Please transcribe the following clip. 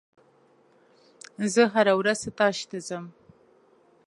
زه هره ورځ ستاژ ته ځم.